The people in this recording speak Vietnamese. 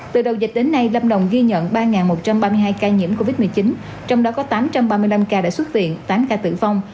từ đầu dịch đến nay lâm đồng ghi nhận ba một trăm ba mươi hai ca nhiễm covid một mươi chín trong đó có tám trăm ba mươi năm ca đã xuất viện tám ca tử vong